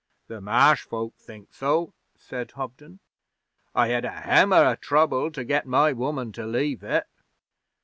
'The Marsh folk think so,' said Hobden. 'I had a hem o' trouble to get my woman to leave it.'